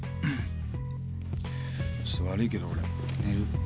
ちょっと悪いけど俺寝る。